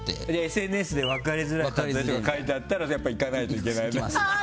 ＳＮＳで分かりづらいって書いてあったらやっぱりいかないといけない？